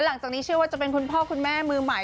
หลังจากนี้เชื่อว่าจะเป็นคุณพ่อคุณแม่มือใหม่